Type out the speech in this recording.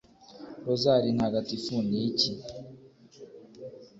rozari ntagatifu ni iki